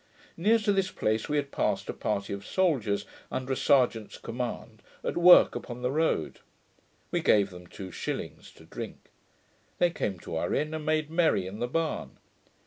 Near to this place we had passed a party of soldiers, under a serjeant's command, at work upon the road. We gave them two shillings to drink. They came to our inn, and made merry in the barn.